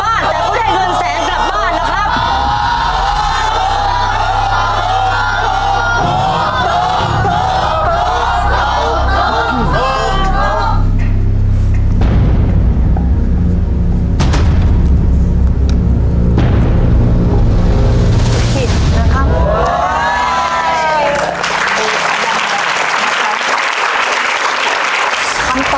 แต่ก็ได้เงินแสนกลับบ้านละครับ